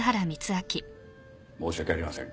申し訳ありません。